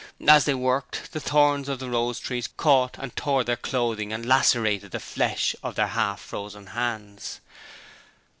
As they worked, the thorns of the rose trees caught and tore their clothing and lacerated the flesh of their half frozen hands.